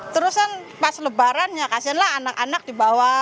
terus kan pas lebaran ya kasihan lah anak anak dibawa